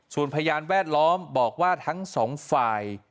ส่วนพยานแวดล้อมบอกว่าทั้งสองฝ่าย